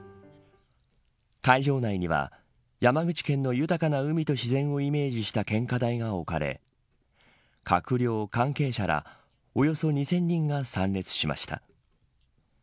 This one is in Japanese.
会場内には山口県の豊かな海と自然をイメージした献花台が置かれ閣僚、関係者らおよそ２０００人が参列しました。